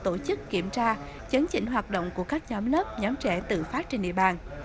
tổ chức kiểm tra chấn chỉnh hoạt động của các nhóm lớp nhóm trẻ tự phát trên địa bàn